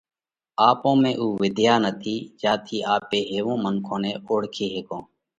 آپون ۾ اُو وۮيا نٿِي جيا ٿِي آپي هيوون منکون نئہ اوۯکي هيڪون۔